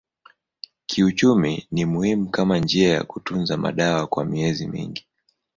Kiuchumi ni muhimu kama njia ya kutunza maziwa kwa miezi mingi.